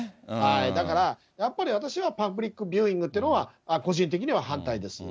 だから、やっぱり私は、パブリックビューイングっていうのは、個人的には反対です。